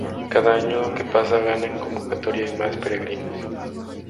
Cada año que pasa gana en convocatoria y más peregrinos.